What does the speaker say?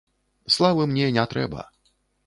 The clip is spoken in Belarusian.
Славы мне не трэба.